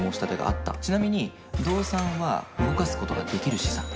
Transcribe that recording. ちなみに動産は動かす事ができる資産。